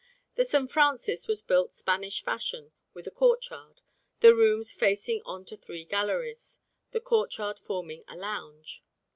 The St. Francis was built Spanish fashion with a courtyard, the rooms facing on to three galleries, the courtyard forming a lounge.